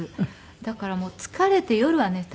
だからもう疲れて夜は寝たい。